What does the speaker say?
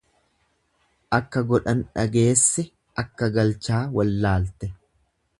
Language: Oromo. Akka godhan dhageesse akka galchaa wallaalte.